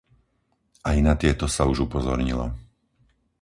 Aj na tieto sa už upozornilo.